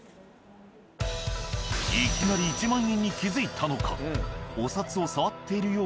いきなり１万円に気付いたのか？